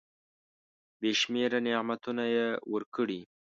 بي شمیره نعمتونه یې ورکړي .